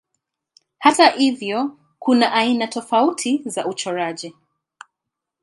Hata hivyo kuna aina tofauti za uchoraji.